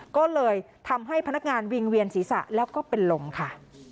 ก็เลยทำให้พนักงานวิ่งเวียนศีรษะแล้วก็เป็นลมค่ะ